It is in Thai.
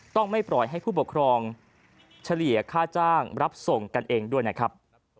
ต้องไม่ปล่อยให้ผู้ปกครองเฉลี่ยค่าจ้างรับส่งกันเองด้วยนะครับ